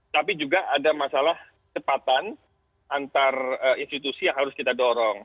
tapi juga ada masalah cepatan antar institusi yang harus kita dorong